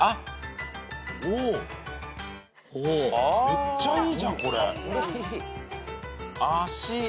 めっちゃいいじゃんこれ。